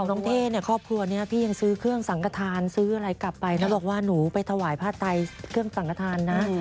น้องเท่เนี่ยครอบครัวนี้พี่ยังซื้อเครื่องสังกระทานซื้ออะไรกลับไปนะบอกว่าหนูไปถวายผ้าไตเครื่องสังกระทานนะ